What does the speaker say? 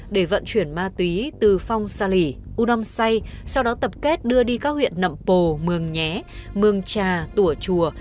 để vận chuyển ma túy từ phong sa lì u đâm say sau đó tập kết đưa đi các huyện nậm pồ mường nhé mường trà tùa chùa